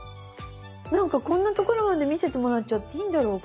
なんかこんなところまで見せてもらっちゃっていいんだろうか。